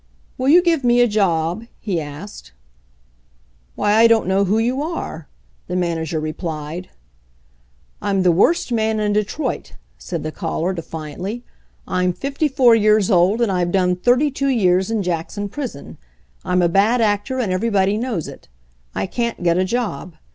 'Will you give me a job?" he asked. f Why, I don't know who you are," the man ager replied. "I'm the worst man in Detroit," said the caller defiantly. "I'm fifty four years old, and I've done thirty two years in Jackson prison. I'm a bad actor, and everybody knows it. I can't get a job.